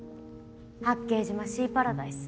八景島シーパラダイス。